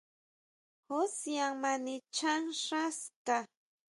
¿Jusian ma nichán xán ska?